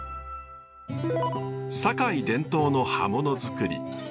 堺伝統の刃物作り。